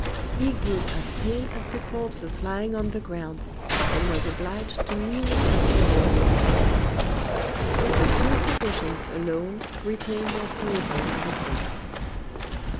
He grew as pale as the corpses lying on the ground, and was obliged to lean against the wall for support. The two physicians alone retained their stoical indifference.